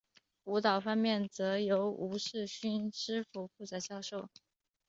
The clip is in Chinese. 舞蹈方面则由吴世勋师傅负责教授。